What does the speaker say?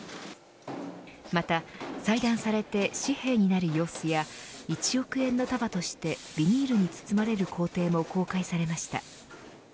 また裁断されて紙幣になる様子や１億円の束としてビニールに包まれる工程も公開されました。